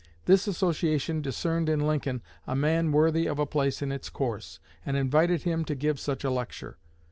This association discerned in Lincoln a man worthy of a place in its course, and invited him to give such a lecture.